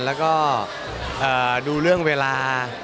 แล้วก็ดูเรื่องเวลา